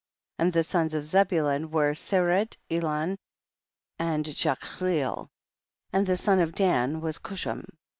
13. And the sons of Zebulun were Sered, Elon and Jachleel, and the son of Dan was Chushim.